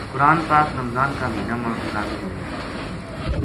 قرآن پاک رمضان کا مہینہ ما نازل ہویو۔